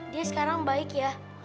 dia sekarang baik ya